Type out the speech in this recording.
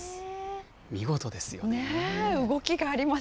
見事ですよね。